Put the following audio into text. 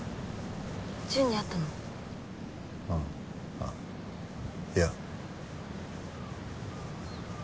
あっいや。